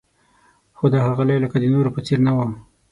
خو دا ښاغلی لکه د نورو په څېر نه و.